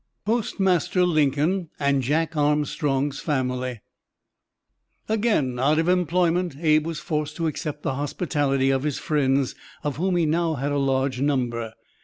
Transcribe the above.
POSTMASTER LINCOLN AND JACK ARMSTRONG'S FAMILY Again out of employment, Abe was forced to accept the hospitality of his friends of whom he now had a large number.